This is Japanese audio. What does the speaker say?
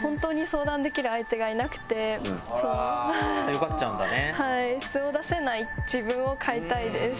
強がっちゃうんだね。